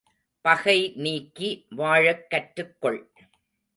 பகை நீக்கி வாழக் கற்றுக் கொள்.